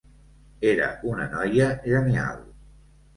Era una noia genial.